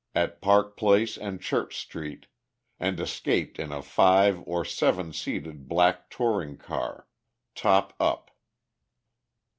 at Park Place and Church Street, and escaped in a five or seven seated black touring car, top up.